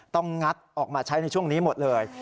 งัดออกมาใช้ในช่วงนี้หมดเลย